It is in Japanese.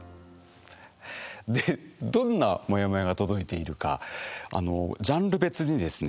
どんなモヤモヤが届いているかあのジャンル別にですね